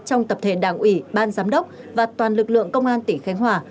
trong tập thể đảng ủy ban giám đốc và toàn lực lượng công an tỉnh khánh hòa